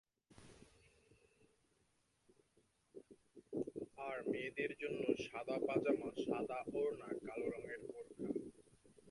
আর মেয়েদের জন্য সাদা পায়জামা, সাদা ওড়না, কালো রঙের বোরখা।